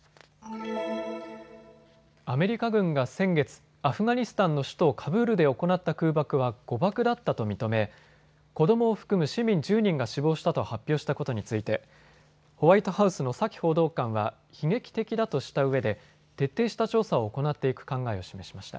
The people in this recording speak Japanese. アメリカ軍が先月、アフガニスタンの首都カブールで行った空爆は誤爆だったと認め子どもを含む市民１０人が死亡したと発表したことについてホワイトハウスのサキ報道官は悲劇的だとしたうえで徹底した調査を行っていく考えを示しました。